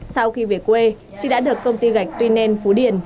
sau khi về quê chị đã được công ty gạch tuy nen phú điền